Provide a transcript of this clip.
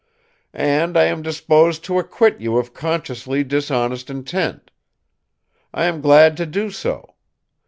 "And I am disposed to acquit you of consciously dishonest intent. I am glad to do so.